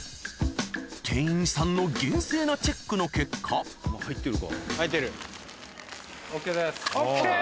店員さんの厳正なチェックの結果ＯＫ！